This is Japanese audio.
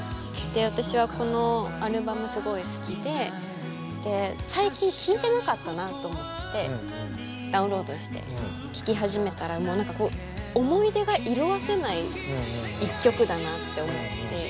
私はこのアルバムすごい好きで最近聴いてなかったなと思ってダウンロードして聴き始めたら思い出が色あせない一曲だなって思って。